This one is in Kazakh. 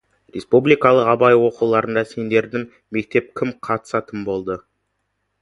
Республикалық Абай оқуларына сендердің мектептен кім қатысатын болды?